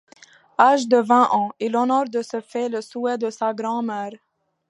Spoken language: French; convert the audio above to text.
Âgé de vingt ans, il honore de ce fait le souhait de sa grand-mère.